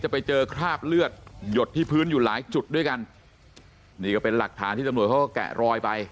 ไปเจอคราบเลือดหยดที่พื้นอยู่หลายจุดด้วยกันนี่ก็เป็นหลักฐานที่ตำรวจเขาก็แกะรอยไป